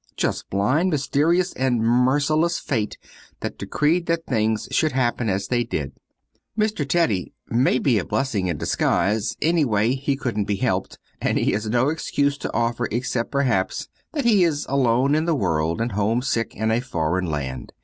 Just blind, mysterious, and merciless fate that decreed that things should happen as they did. Mr. Teddy may be a blessing in disguise, anyway he couldn't be helped, and he has no excuse to offer, except, perhaps, that he is alone in the world and homesick in a foreign land.